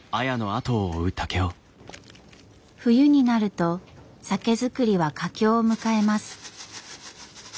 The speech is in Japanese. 冬になると酒造りは佳境を迎えます。